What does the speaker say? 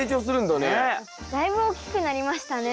だいぶ大きくなりましたね。